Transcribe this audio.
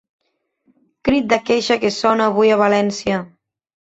Crit de queixa que sona avui a València.